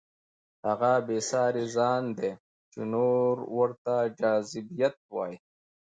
هغه بې ساري ځان دی چې نور ورته جذابیت وایي.